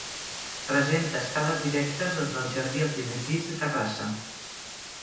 Presenta escales directes des del jardí al primer pis i terrassa.